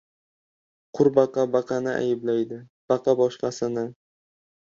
• Qurbaqa baqani ayblaydi, baqa — boshqasini.